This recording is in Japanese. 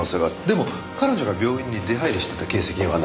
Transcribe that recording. でも彼女が病院に出入りしてた形跡はない。